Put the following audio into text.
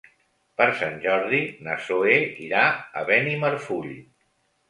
Per Sant Jordi na Zoè irà a Benimarfull.